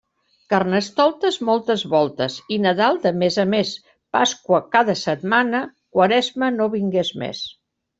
Carnestoltes moltes voltes i Nadal de mes a mes, Pasqua cada setmana; Quaresma, no vingues més.